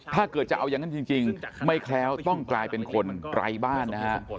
ถ้าเกิดจะเอาอย่างนั้นจริงไม่แคล้วต้องกลายเป็นคนไร้บ้านนะฮะ